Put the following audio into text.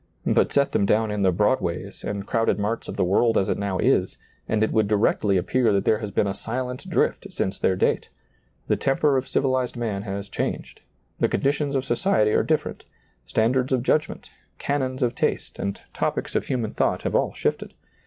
But set them down in the Broadways and crowded marts of the world as it now is, and it would directly appear that there has been a silent drift since their date; the temper of civilized man has changed ; the conditions of society are differ ent; standards of judgment, canons of taste, and topics of human thought have all shifted.